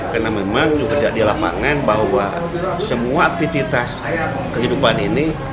karena memang juga di lapangan bahwa semua aktivitas kehidupan ini